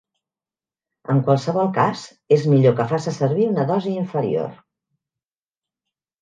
En qualsevol cas, és millor que faça servir una dosi inferior.